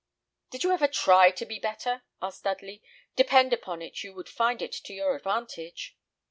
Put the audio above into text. "Did you ever try to be better?" asked Dudley. "Depend upon it you would find it to your advantage."